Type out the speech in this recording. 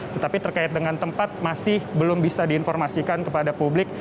tetapi terkait dengan tempat masih belum bisa diinformasikan kepada publik